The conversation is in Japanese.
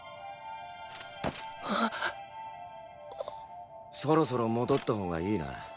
っ⁉そろそろ戻った方がいいな。